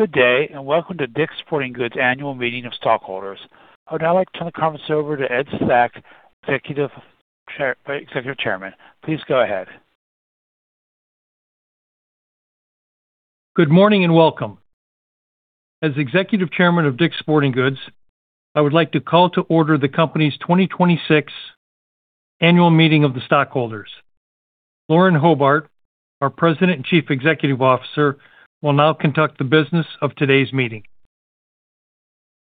Good day, welcome to DICK’S Sporting Goods Annual Meeting of Stockholders. I would now like to turn the conference over to Edward Stack, Executive Chairman. Please go ahead. Good morning, welcome. As Executive Chairman of DICK’S Sporting Goods, I would like to call to order the company's 2026 annual meeting of the stockholders. Lauren Hobart, our President and Chief Executive Officer, will now conduct the business of today's meeting.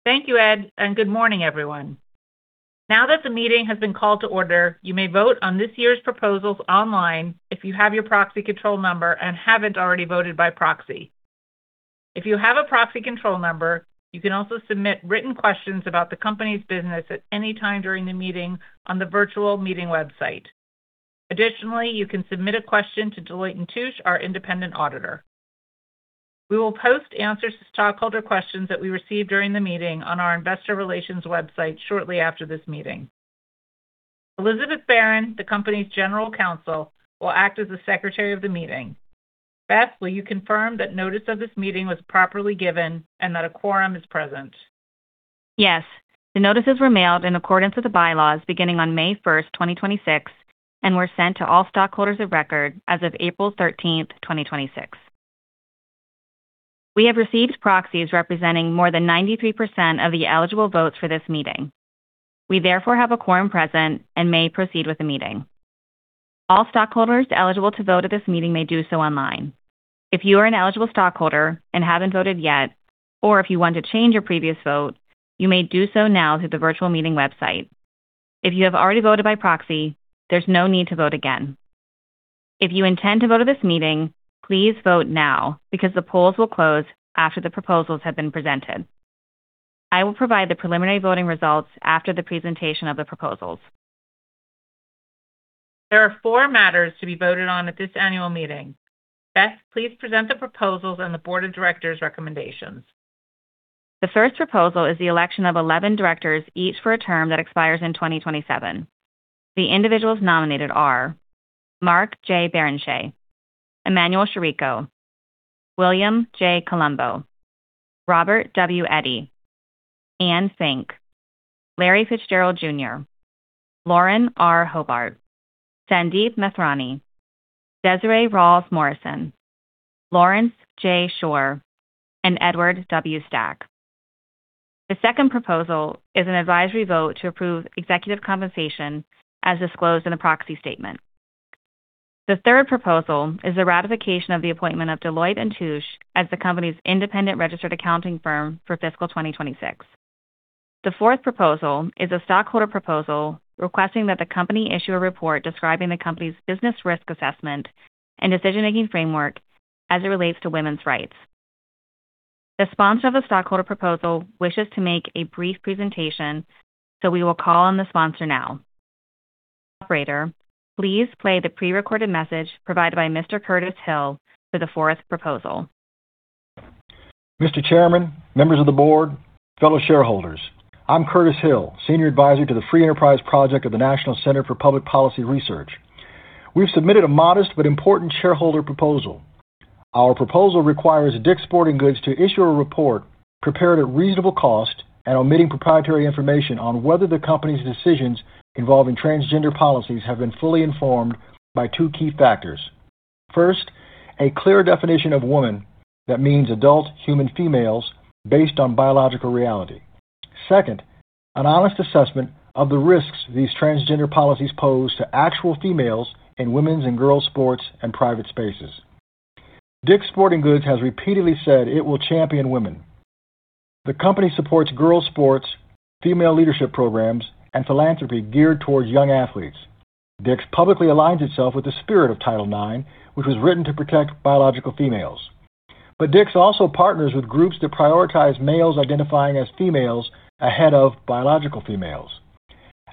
Thank you, Ed, good morning, everyone. Now that the meeting has been called to order, you may vote on this year's proposals online if you have your proxy control number and haven't already voted by proxy. If you have a proxy control number, you can also submit written questions about the company's business at any time during the meeting on the virtual meeting website. Additionally, you can submit a question to Deloitte & Touche, our independent auditor. We will post answers to stockholder questions that we receive during the meeting on our investor relations website shortly after this meeting. Elizabeth Baran, the company's General Counsel, will act as the secretary of the meeting. Beth, will you confirm that notice of this meeting was properly given and that a quorum is present? Yes. The notices were mailed in accordance with the bylaws beginning on May 1st, 2026, and were sent to all stockholders of record as of April 13th, 2026. We have received proxies representing more than 93% of the eligible votes for this meeting. We therefore have a quorum present and may proceed with the meeting. All stockholders eligible to vote at this meeting may do so online. If you are an eligible stockholder and haven't voted yet, or if you want to change your previous vote, you may do so now through the virtual meeting website. If you have already voted by proxy, there's no need to vote again. If you intend to vote at this meeting, please vote now because the polls will close after the proposals have been presented. I will provide the preliminary voting results after the presentation of the proposals. There are four matters to be voted on at this annual meeting. Beth, please present the proposals and the board of directors' recommendations. The first proposal is the election of 11 directors, each for a term that expires in 2027. The individuals nominated are Mark J. Barrenechea, Emanuel Chirico, William J. Colombo, Robert W. Eddy, Anne Fink, Larry Fitzgerald Jr., Lauren R. Hobart, Sandeep Mathrani, Desiree Ralls-Morrison, Lawrence J. Schorr, and Edward W. Stack. The second proposal is an advisory vote to approve executive compensation as disclosed in the proxy statement. The third proposal is the ratification of the appointment of Deloitte & Touche as the company's independent registered accounting firm for fiscal 2026. The fourth proposal is a stockholder proposal requesting that the company issue a report describing the company's business risk assessment and decision-making framework as it relates to women's rights. The sponsor of the stockholder proposal wishes to make a brief presentation, we will call on the sponsor now. Operator, please play the pre-recorded message provided by Mr. Curtis Hill for the fourth proposal. Mr. Chairman, members of the board, fellow shareholders. I'm Curtis Hill, senior advisory to the Free Enterprise Project of the National Center for Public Policy Research. We've submitted a modest but important shareholder proposal. Our proposal requires DICK’S Sporting Goods to issue a report prepared at reasonable cost and omitting proprietary information on whether the company's decisions involving transgender policies have been fully informed by two key factors. First, a clear definition of woman, that means adult human females based on biological reality. Second, an honest assessment of the risks these transgender policies pose to actual females in women's and girls' sports and private spaces. DICK’S Sporting Goods has repeatedly said it will champion women. The company supports girls' sports, female leadership programs, and philanthropy geared towards young athletes. DICK’S publicly aligns itself with the spirit of Title IX, which was written to protect biological females. DICK’S also partners with groups that prioritize males identifying as females ahead of biological females.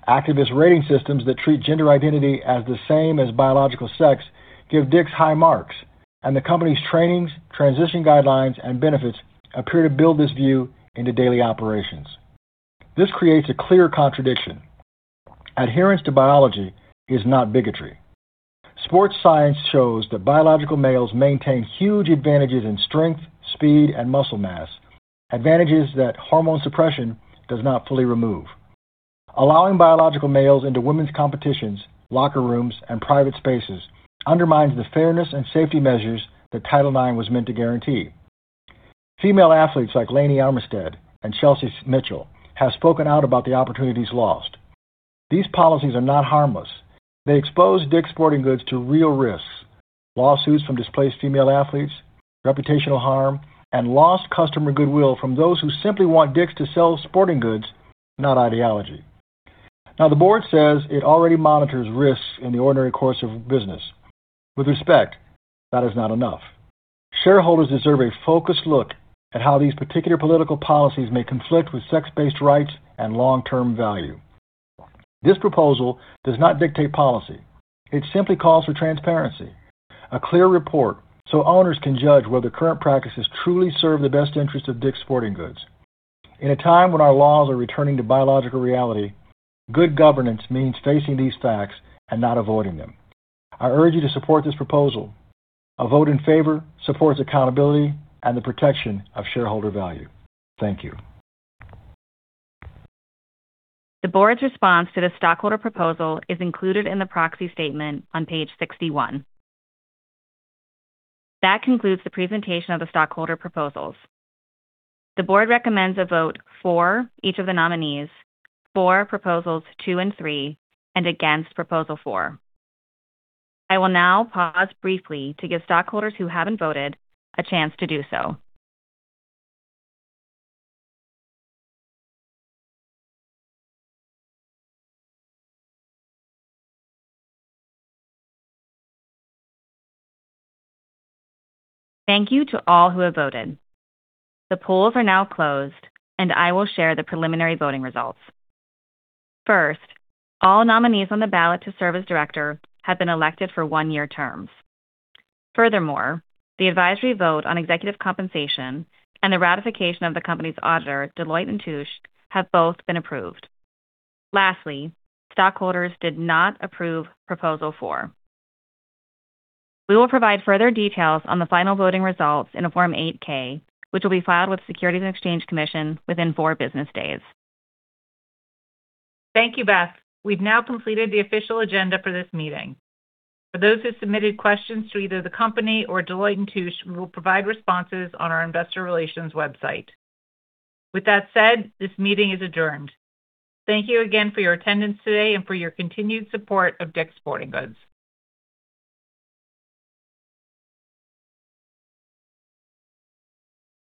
Activist rating systems that treat gender identity as the same as biological sex give DICK’S high marks, and the company's trainings, transition guidelines, and benefits appear to build this view into daily operations. This creates a clear contradiction. Adherence to biology is not bigotry. Sports science shows that biological males maintain huge advantages in strength, speed, and muscle mass, advantages that hormone suppression does not fully remove. Allowing biological males into women's competitions, locker rooms, and private spaces undermines the fairness and safety measures that Title IX was meant to guarantee. Female athletes like Lainey Armistead and Chelsea Mitchell have spoken out about the opportunities lost. These policies are not harmless. They expose DICK’S Sporting Goods to real risks, lawsuits from displaced female athletes, reputational harm, and lost customer goodwill from those who simply want DICK’S to sell sporting goods, not ideology. The board says it already monitors risks in the ordinary course of business. With respect, that is not enough. Shareholders deserve a focused look at how these particular political policies may conflict with sex-based rights and long-term value. This proposal does not dictate policy. It simply calls for transparency, a clear report, so owners can judge whether current practices truly serve the best interest of DICK’S Sporting Goods. In a time when our laws are returning to biological reality, good governance means facing these facts and not avoiding them. I urge you to support this proposal. A vote in favor supports accountability and the protection of shareholder value. Thank you. The board's response to the stockholder proposal is included in the proxy statement on page 61. That concludes the presentation of the stockholder proposals. The board recommends a vote for each of the nominees, for proposals two and three, and against proposal four. I will now pause briefly to give stockholders who haven't voted a chance to do so. Thank you to all who have voted. The polls are now closed, and I will share the preliminary voting results. First, all nominees on the ballot to serve as director have been elected for one-year terms. Furthermore, the advisory vote on executive compensation and the ratification of the company's auditor, Deloitte & Touche, have both been approved. Lastly, stockholders did not approve proposal four. We will provide further details on the final voting results in a Form 8-K, which will be filed with the Securities and Exchange Commission within four business days. Thank you, Beth. We've now completed the official agenda for this meeting. For those who submitted questions to either the company or Deloitte & Touche, we will provide responses on our investor relations website. With that said, this meeting is adjourned. Thank you again for your attendance today and for your continued support of DICK'S Sporting Goods.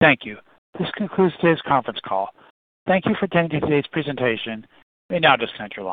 Thank you. This concludes today's conference call. Thank you for attending today's presentation. You may now disconnect your line.